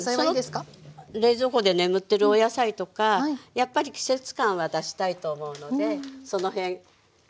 冷蔵庫で眠ってるお野菜とかやっぱり季節感は出したいと思うのでそのへん考えて。